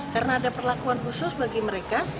karena ada perlakuan khusus bagi mereka